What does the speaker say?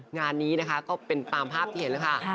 งานนี้ก็เป็นปางภาพที่เห็นเลยค่ะ